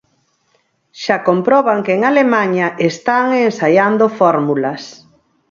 Xa comproban que en Alemaña están ensaiando fórmulas.